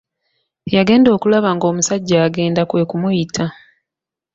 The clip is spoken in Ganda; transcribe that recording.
Yagenda okulaba ng'omusajja agenda kwe kumuyita.